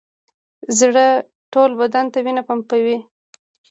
زړه ټول بدن ته وینه پمپ کوي